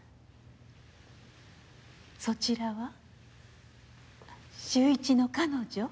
そちらは秀一の彼女？